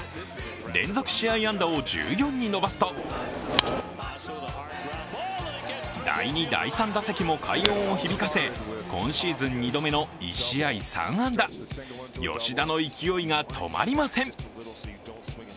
連続試合安打を１４に伸ばすと第２、第３打席も快音を響かせ今シーズン２度目の１試合３安打、吉田の勢いが止まりません！